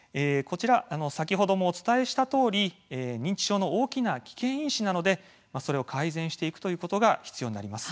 先ほどもお伝えしたとおり認知症の大きな危険因子なのでそれを改善することが必要になります。